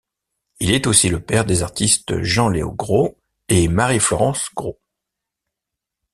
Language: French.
Il est aussi le père des artistes Jean-Léo Gros et Marie-Florence Gros.